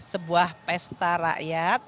sebuah pesta rakyat